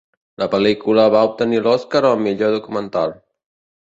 La pel·lícula va obtenir l'Oscar al millor documental.